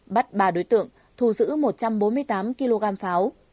bắt ba đối tượng thu giữ một trăm bốn mươi tám kg pháo